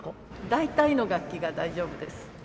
大体の楽器が大丈夫です。